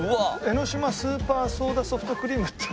「江の島スーパーソーダソフトクリーム」ってある。